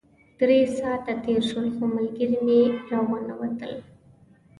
درې ساعته تېر شول خو ملګري مې راونه وتل.